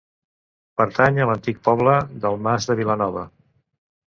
Pertany a l'antic poble del Mas de Vilanova.